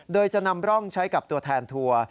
โดยจะนำร่องใช้กับตัวแทนทัวร์